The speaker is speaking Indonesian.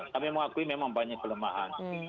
kami mengakui memang banyak kelemahan